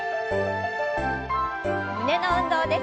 胸の運動です。